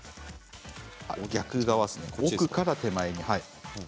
逆側ですね、奥から手前に。